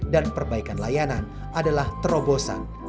dan perbaikan layanan adalah terobosan